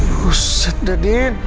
buset dah din